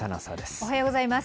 おはようございます。